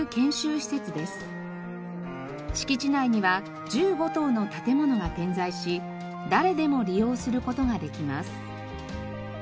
敷地内には１５棟の建物が点在し誰でも利用する事ができます。